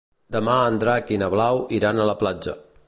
Demà en Drac i na Blau iran a la platja.